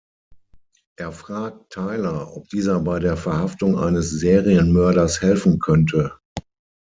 Er fragt Tyler, ob dieser bei der Verhaftung eines Serienmörders helfen könnte.